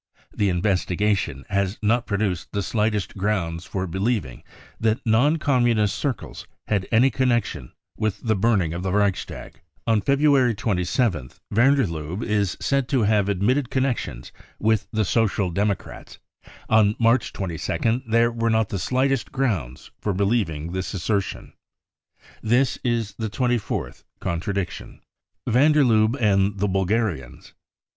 The investi gation has not produced the slightest grounds for believ ing that non Commnnist circles had any connection with the burning of the Reichstag. 5 ' On February 27th van der Lubbers said to have admitted connections with the Social Democrats ; on March 22nd there were not the slightest grounds for believing this assertion. This is the twenty fourth contradiction. Van der Lubbe and the Bulgarians.